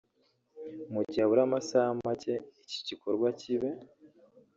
Mu gihe habura amasaha make ngo iki gikorwa kibe